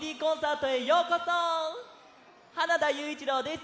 花田ゆういちろうです。